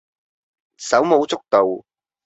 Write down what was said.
手舞足蹈